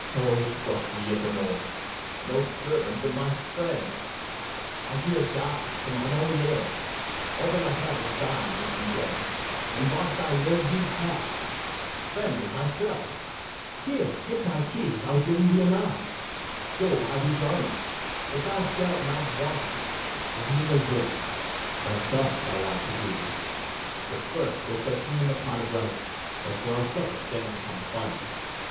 BARABAS. O trusty Ithamore! no servant, but my friend! I here adopt thee for mine only heir: All that I have is thine when I am dead; And, whilst I live, use half; spend as myself; Here, take my keys, I'll give 'em thee anon; Go buy thee garments; but thou shalt not want: Only know this, that thus thou art to do But first go fetch me in the pot of rice That for our supper stands upon the fire. ITHAMORE.